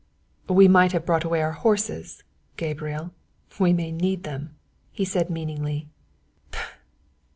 "We might have brought away our horses, Gabriel we may need them," he said meaningly.